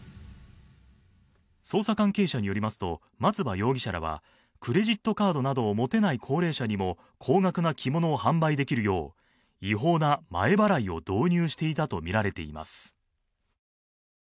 捜査関係者によりますと、松葉容疑者らはクレジットカードなどを持てない高齢者にも高額な着物を販売できるよう違法な前払いを導入していたとみられています。